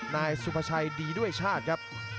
นายสุภาชัยดีด้วยชาติครับ